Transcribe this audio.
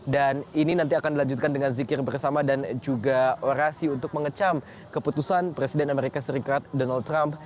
dan ini nanti akan dilanjutkan dengan zikir bersama dan juga orasi untuk mengecam keputusan presiden amerika serikat donald trump